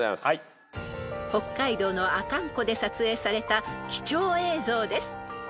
［北海道の阿寒湖で撮影された貴重映像です］